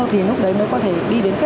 thì lúc đấy mới có thể đi đến kết luận